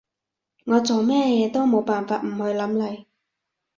我做咩嘢都冇辦法唔去諗你